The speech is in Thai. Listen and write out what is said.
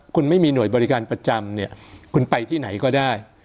คุณไม่มีหน่วยบริการประจำเนี่ยคุณไปที่ไหนก็ได้